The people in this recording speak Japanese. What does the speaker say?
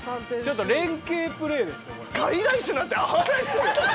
ちょっと連携プレーですよこれ。